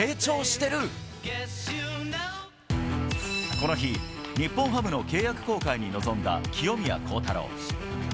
この日、日本ハムの契約更改に臨んだ清宮幸太郎。